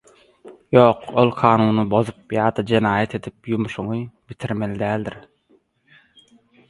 Ýok ol kanuny bozup ýa-da jenaýat edip, ýumuşyňňy bitirmeli däldir.